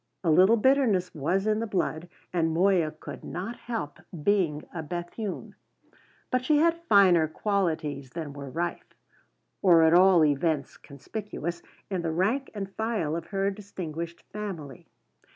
A little bitterness was in the blood, and Moya could not help being a Bethune. But she had finer qualities than were rife or at all events conspicuous in the rank and file of her distinguished family.